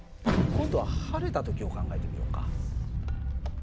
今度は晴れた時を考えてみようか。